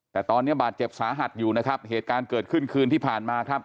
แต่ตอนนี้บาดเจ็บสาหัสอยู่นะครับเหตุการณ์เกิดขึ้นคืนที่ผ่านมาครับ